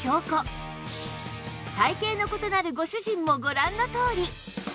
体形の異なるご主人もご覧のとおり